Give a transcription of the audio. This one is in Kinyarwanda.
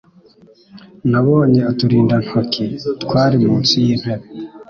Nabonye uturindantoki twari munsi y'intebe.